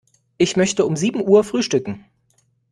Ich möchte um sieben Uhr frühstücken.